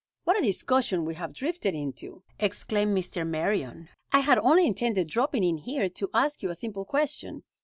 "What a discussion we have drifted into!" exclaimed Mr. Marion. "I had only intended dropping in here to ask you a simple question.